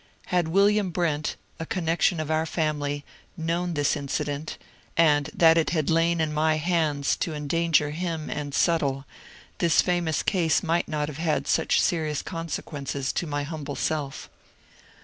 Had William Brent, a connection of our family, known this incident, and that it had lain in my hands to endanger him and Suttle, this famous case might not have had such serious consequences to my humble self.